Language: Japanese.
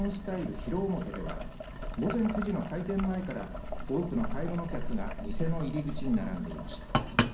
広面では午前９時の開店前から多くの買い物客が店の入り口に並んでいました。